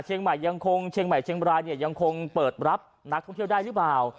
ยังคงเชียงใหม่เชียงบรายเนี่ยยังคงเปิดรับนักท่องเที่ยวได้หรือเปล่า